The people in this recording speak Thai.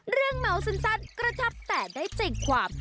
เรื่องเมาส์ซึนซัดกระจับแต่ได้จริงขวาบ